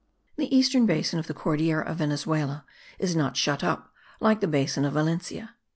The eastern basin of the Cordillera of Venezuela is not shut up like the basin of Valencia.